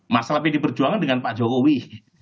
masalah pd perjuangan dengan pak jokowi